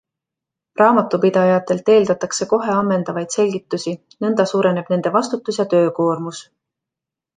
Raamatupidajatelt eeldatakse kohe ammendavaid selgitusi, nõnda suureneb nende vastutus ja töökoormus.